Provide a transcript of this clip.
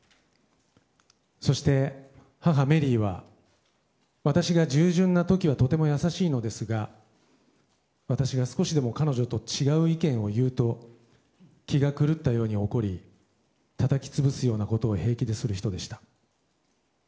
そして、母メリーは私が従順な時はとても優しいのですが私が少しでも彼女と違う意見を言うと気が狂ったように怒りたたき潰すようなことを平気でする人でした。